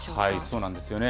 そうなんですよね。